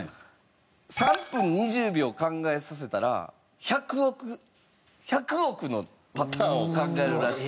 ３分２０秒考えさせたら１００億１００億のパターンを考えるらしい。